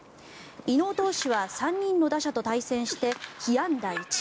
井納投手は３人の打者と対戦して被安打１。